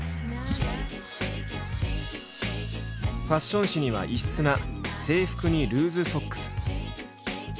ファッション誌には異質な制服にルーズソックス。